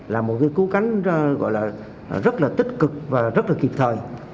là một cái cứu cánh rất là tích cực và rất là kịp thời